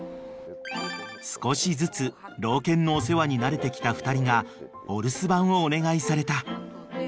［少しずつ老犬のお世話に慣れてきた２人がお留守番をお願いされた］